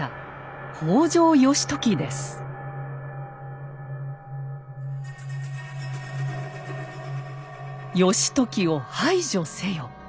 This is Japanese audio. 「義時を排除せよ」。